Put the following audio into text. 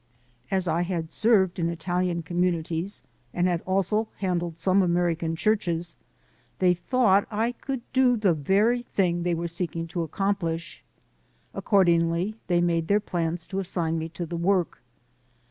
As I had served in Italian communities and had also handled some American churches, they thought I could do the very thing they were seeking to accomplish. Accordingly, they made their plans to assign me to the work.